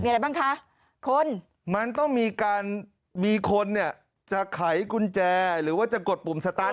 อะไรบ้างคะคนมันต้องมีการมีคนเนี่ยจะไขกุญแจหรือว่าจะกดปุ่มสตาร์ท